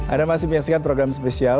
anda masih menyaksikan program spesial